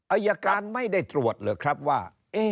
อายการไม่ได้ตรวจเหรอครับว่า